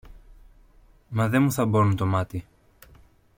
Μα δε μου θαμπώνουν το μάτι.